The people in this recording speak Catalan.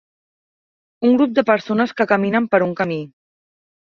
Un grup de persones que caminen per un camí.